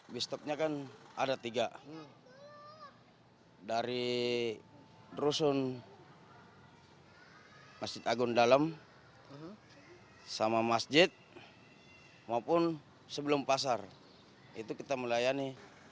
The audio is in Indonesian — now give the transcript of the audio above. bistoknya kan ada tiga dari rusun masjid agung dalem sama masjid maupun sebelum pasar itu kita melayani